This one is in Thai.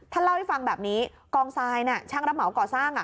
ท่านเล่าให้ฟังแบบนี้กองซายเนี่ยช่างรับเหมาเกาะสร้างอะ